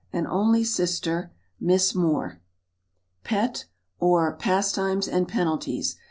An Only Sister. Miss Moore. Pet; or, Pastimes and Penalties.